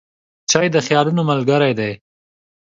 چای د خیالونو ملګری دی.